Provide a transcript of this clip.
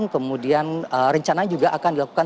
kemudian rencana juga akan dilakukan